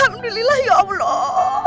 alhamdulillah ya allah